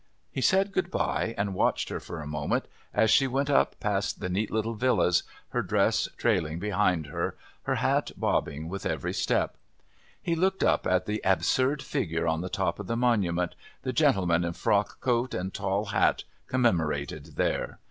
He said good bye and watched her for a moment as she went up past the neat little villas, her dress trailing behind her, her hat bobbing with every step. He looked up at the absurd figure on the top of the monument, the gentleman in frock coat and tall hat commemorated there.